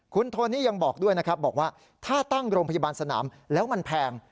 คุณโทนี่ยังบอกด้วยนะครับบอกว่าถ้าตั้งโรงพยาบาลสนามแล้วมันแพง